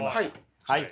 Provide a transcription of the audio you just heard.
はい。